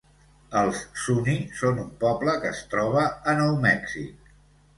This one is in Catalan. Els Zuni són un poble que es troba a Nou Mèxic.